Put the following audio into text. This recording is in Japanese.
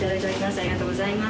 ありがとうございます。